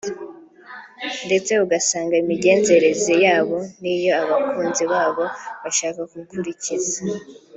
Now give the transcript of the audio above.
ndetse ugasanga imigenzereze yabo niyo abakunzi babo bashaka gukurikiza